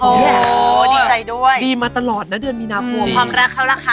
โอ้ยดีใจด้วยความรักเขาแหละคะ